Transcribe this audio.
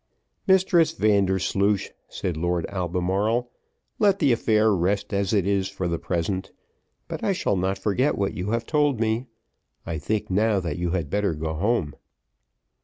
"Mistress Vandersloosh," said Lord Albemarle, "let the affair rest as it is for the present, but I shall not forget what you have told me. I think now that you had better go home."